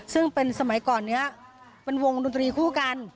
ซึ่งเป็นสมัยก่อนนี้เป็นวงดนตรีคู่กัน